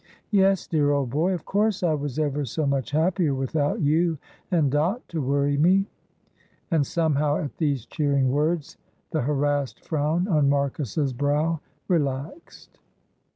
Yes, dear old boy, of course I was ever so much happier without you and Dot to worry me " And, somehow, at these cheering words the harassed frown on Marcus's brow relaxed.